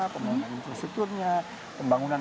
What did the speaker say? pembangunan infrastrukturnya pembangunan